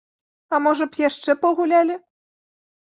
А можа б, яшчэ пагулялі?